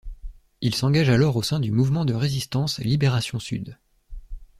Il s'engage alors au sein du mouvement de résistance Libération-Sud.